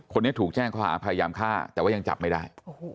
คนนี้ถูกแจ้งข้อหาพยายามฆ่าแต่ว่ายังจับไม่ได้